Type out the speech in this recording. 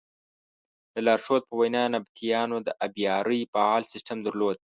د لارښود په وینا نبطیانو د ابیارۍ فعال سیسټم درلود.